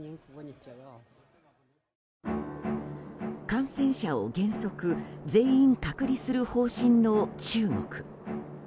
感染者を原則全員隔離する方針の中国。